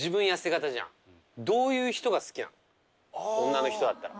女の人だったら。